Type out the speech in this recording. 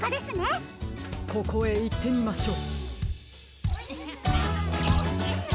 ここへいってみましょう。